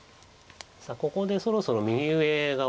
さあここでそろそろ右上が。